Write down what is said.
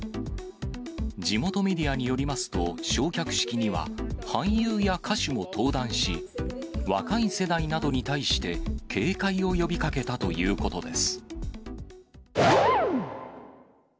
地元メディアによりますと、焼却式には俳優や歌手も登壇し、若い世代などに対して、警戒を呼びかけたということです。